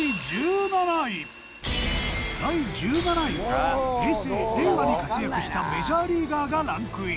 第１７位は平成令和に活躍したメジャーリーガーがランクイン。